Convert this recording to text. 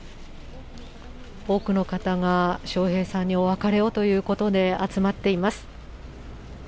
多くの方が、笑瓶さんにお別れをということで、集まっています。